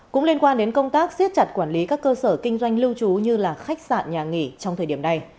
cũng liên quan đến công tác xiết chặt quản lý các cơ sở kinh doanh lưu trú như khách sạn nhà nghỉ trong thời điểm này